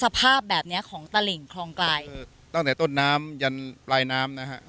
สภาพแบบเนี้ยของตลิ่งคลองไกลตั้งแต่ต้นน้ำยันปลายน้ำนะฮะ